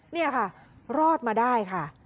นี่ค่ะรอดมาได้ค่ะ